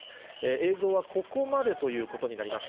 映像はここまでということになります。